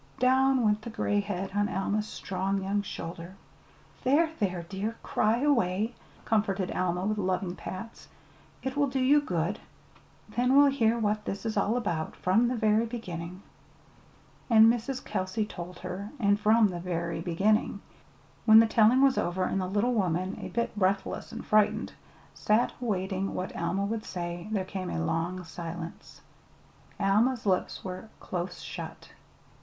Down went the gray head on Alma's strong young shoulder. "There, there, dear, cry away," comforted Alma, with loving pats. "It will do you good; then we'll hear what this is all about, from the very beginning." And Mrs. Kelsey told her and from the very beginning. When the telling was over, and the little woman, a bit breathless and frightened, sat awaiting what Alma would say, there came a long silence. Alma's lips were close shut.